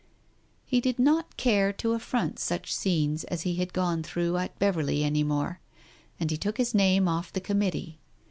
He did not care to affront such scenes as he had gone through at Beverley any more, and he took his name off the Committee.